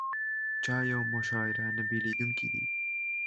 چای او مشاعره نه بېلېدونکي دي.